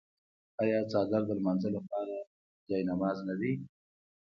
آیا څادر د لمانځه لپاره جای نماز نه دی؟